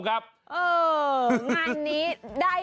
ขอบคุณครับ